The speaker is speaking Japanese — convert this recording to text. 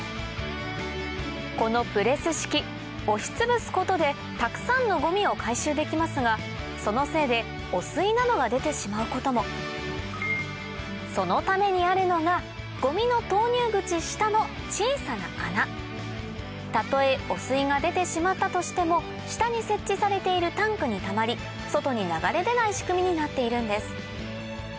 このプレス式押しつぶすことでたくさんのごみを回収できますがそのせいで汚水などが出てしまうこともそのためにあるのがごみの投入口下の小さな穴たとえ汚水が出てしまったとしても下に設置されているタンクにたまり外に流れ出ない仕組みになっているんです